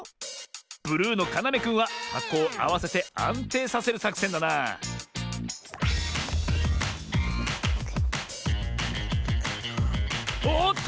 ブルーのかなめくんははこをあわせてあんていさせるさくせんだなおおっと！